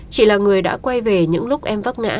chị là người đã quay về những lúc em vấp ngã